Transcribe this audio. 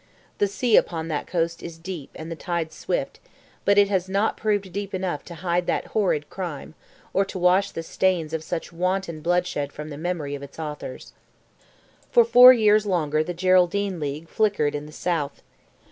The sea upon that coast is deep and the tides swift; but it has not proved deep enough to hide that horrid crime, or to wash the stains of such wanton bloodshed from the memory of its authors! For four years longer the Geraldine League flickered in the South.